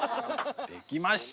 できました！